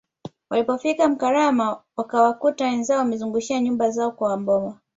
Walipofika Mkalama wakawakuta wenzao wamezungushia nyumba zao kwa Maboma